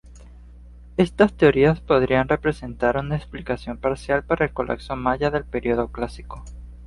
Estas teorías podrían representar una explicación parcial para el colapso maya del periodo Clásico.